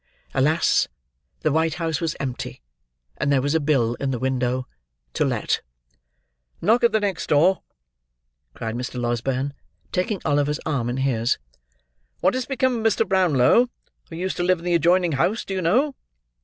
Alas! the white house was empty, and there was a bill in the window. "To Let." "Knock at the next door," cried Mr. Losberne, taking Oliver's arm in his. "What has become of Mr. Brownlow, who used to live in the adjoining house, do you know?"